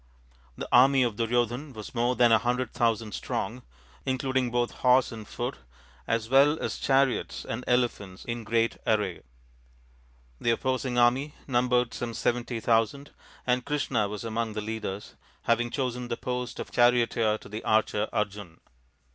The army of Duryodhan was more than a hundred thousand strong, including both horse and foot, as well as chariots and elephants in great array. The opposing army numbered some seventy thousand, and Krishna was among the leaders, having chosen the post of charioteer to the archer Arjun.